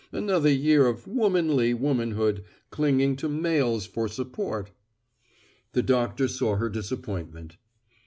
Another year of "womanly" womanhood, clinging to males for support. The doctor saw her disappointment.